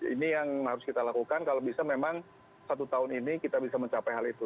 ini yang harus kita lakukan kalau bisa memang satu tahun ini kita bisa mencapai hal itu